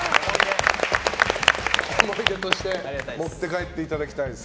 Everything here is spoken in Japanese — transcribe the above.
思い出として持って帰っていただきたいです。